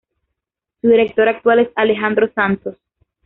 Su director actual es Alejandro Santos.